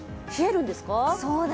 冷えるんですか？